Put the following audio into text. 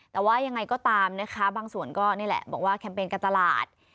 แต่ว่ายังไงก็ตามนะคะบางส่วนก็นี่แหละบอกว่าแคมเปญการตลาด